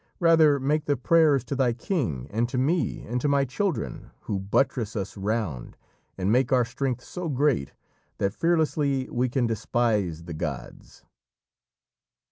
Rather make the prayers to thy king and to me and to my children who buttress us round and make our strength so great, that fearlessly we can despise the gods."